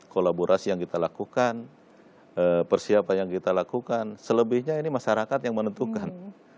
kolaborasi yang kita lakukan persiapan yang kita lakukan selebihnya ini masyarakat yang menentukan